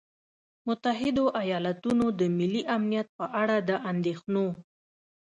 متحدو ایالتونو د ملي امنیت په اړه د اندېښنو